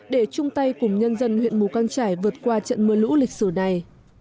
để chung tay cùng nhân dân huyện mù căng trải vượt qua trận mưa lũ lịch sử này